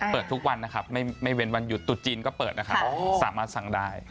เปิดทุกวันไม่เว้นวันหยุดตุ๊ดจีนก็เปิดสามารถสั่งได้